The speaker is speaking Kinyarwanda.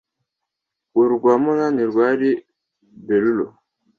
urwa munani rwari berulo